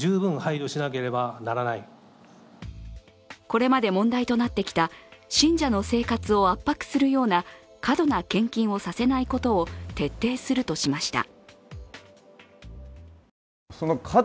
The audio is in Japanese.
これまで問題となってきた信者の生活を圧迫するような過度な献金をさせないことを徹底するとしました。